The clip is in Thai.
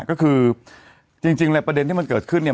ก็คือจริงในประเด็นที่มันเกิดขึ้นเนี่ย